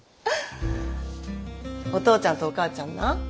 お父ちゃんとお母ちゃんな